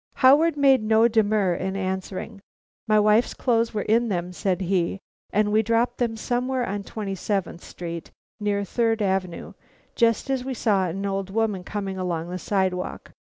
Howard made no demur in answering. "My wife's clothes were in them," said he, "and we dropped them somewhere on Twenty seventh Street near Third Avenue, just as we saw an old woman coming along the sidewalk.